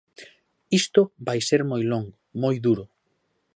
Isto vai ser moi longo, moi duro.